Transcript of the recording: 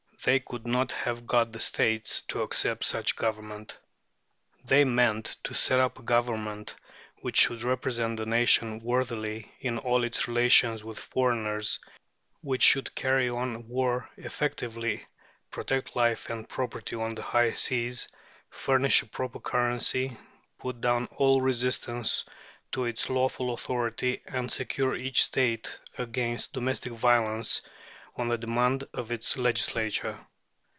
They could not have got the States to accept such a government. They meant to set up a government which should represent the nation worthily in all its relations with foreigners, which should carry on war effectively, protect life and property on the high seas, furnish a proper currency, put down all resistance to its lawful authority, and secure each State against domestic violence on the demand of its Legislature.